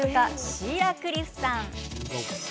シーラ・クリフさん。